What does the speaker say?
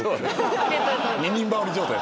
二人羽織状態？